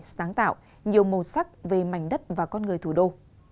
sáng tạo nhiều màu sắc về mảnh đất và con người thủ đô